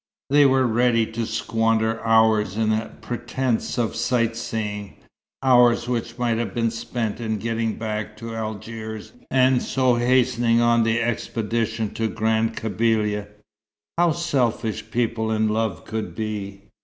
They were ready to squander hours in a pretence of sightseeing, hours which might have been spent in getting back to Algiers and so hastening on the expedition to Grand Kabylia. How selfish people in love could be!